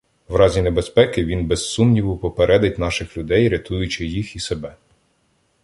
В разі небезпеки він, без сумніву, попередить наших людей, рятуючи їх і себе.